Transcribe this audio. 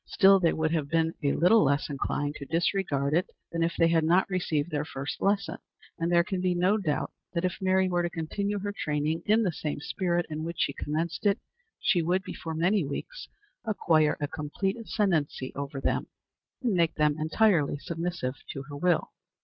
Still they would have been a little less inclined to disregard it than if they had not received their first lesson; and there can be no doubt that if Mary were to continue her training in the same spirit in which she commenced it she would, before many weeks, acquire a complete ascendency over them, and make them entirely submissive to her will.